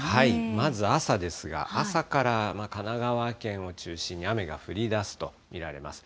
まず朝ですが、朝から神奈川県を中心に雨が降りだすと見られます。